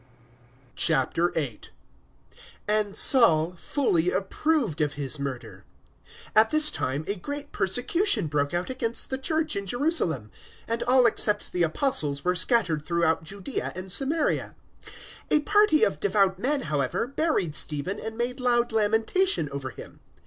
008:001 And Saul fully approved of his murder. At this time a great persecution broke out against the Church in Jerusalem, and all except the Apostles were scattered throughout Judaea and Samaria. 008:002 A party of devout men, however, buried Stephen, and made loud lamentation over him.